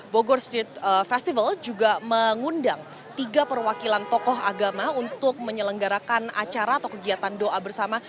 bogor street festival juga mengundang tiga perwakilan tokoh agama untuk menyelenggarakan acara atau kegiatan doa bersama